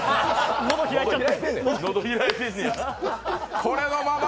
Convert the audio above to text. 喉開いちゃって。